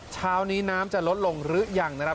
เช้านี้น้ำจะลดลงหรือยังนะครับ